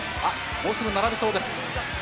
もうすぐ並びそうです